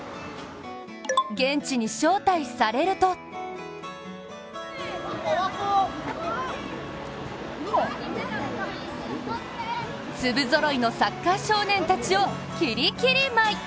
現地に招待されると粒ぞろいのサッカー少年たちをきりきり舞い。